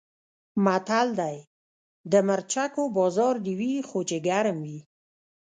متل دی: د مرچکو بازار دې وي خو چې ګرم وي.